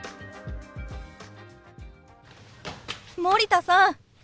森田さん